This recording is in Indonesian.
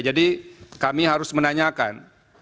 jadi kami harus menanyakan